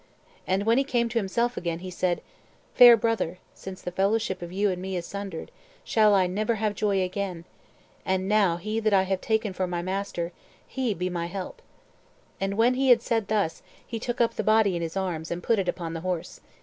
And when he came to himself again, he said, "Fair brother, since the fellowship of you and me is sundered, shall I never have joy again; and now He that I have taken for my Master, He be my help!" And when he had said thus he took up the body in his arms, and put it upon the horse.